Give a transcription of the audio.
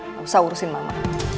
gak usah urusin mama